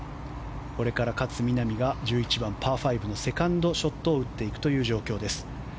これから勝みなみが１１番、パー５のセカンドショットを打っていくという状況です。